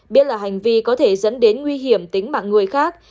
biết là hành vi có thể dẫn đến nguy hiểm tính mạng người khác